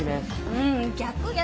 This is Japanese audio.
ううん逆逆！